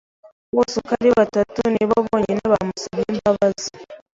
Bose uko ari batatu ni bo bonyine bamusabye imbabazi.